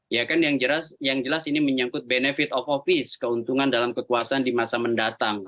ya kan yang jelas ini menyangkut benefit office keuntungan dalam kekuasaan di masa mendatang